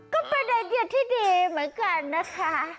ก็เป็นไอเดียที่ดีเหมือนกันนะคะ